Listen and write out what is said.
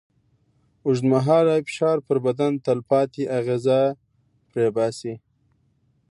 اوږدمهاله فشار پر بدن تلپاتې اغېزه پرېباسي.